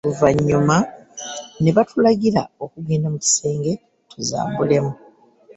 Oluvannyuma ne batulagira okugenda mu kisenge tuzambulemu.